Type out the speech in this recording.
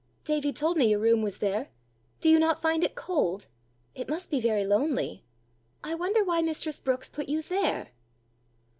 "Davie told me your room was there: do you not find it cold? It must be very lonely! I wonder why mistress Brookes put you there!"